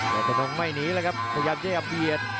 ยอดธนงไม่หนีเลยครับพยายามจะเอาเบียด